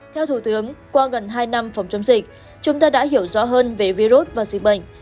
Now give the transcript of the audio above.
theo thủ tướng qua gần hai năm phòng chống dịch chúng ta đã hiểu rõ hơn về virus và dịch bệnh